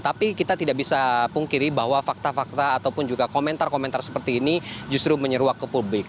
tapi kita tidak bisa pungkiri bahwa fakta fakta ataupun juga komentar komentar seperti ini justru menyeruak ke publik